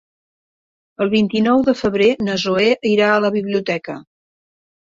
El vint-i-nou de febrer na Zoè irà a la biblioteca.